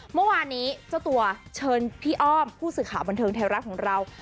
เมื่อวานนี้เจ้าตัวเชิญพี่อ้อมผู้สื่อข่าวบันเทิงไทยรัฐของเรา